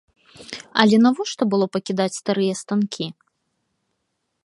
Але навошта было пакідаць старыя станкі?